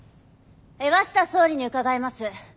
鷲田総理に伺います。